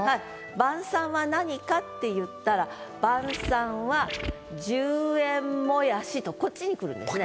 晩餐は何かっていったら「晩餐は十円もやし」とこっちに来るんですね。